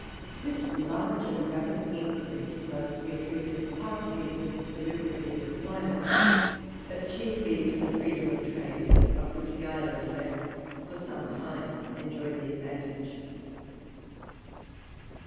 This large and rapid increase must be attributed partly to the salubrity of the climate, but chiefly to the freedom of trade, of which the island had for some time enjoyed the advantage.